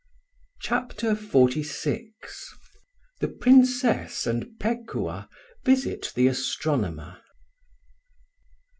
CHAPTER XLVI THE PRINCESS AND PEKUAH VISIT THE ASTRONOMER.